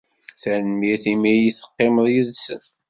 Tanemmirt imi ay teqqimed yid-sen.